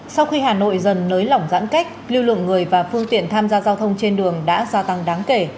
sau khi hà nội dần nới lỏng giãn cách lưu lượng người và phương tiện tham gia giao thông trên đường đã gia tăng đáng kể